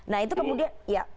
nah itu kemudian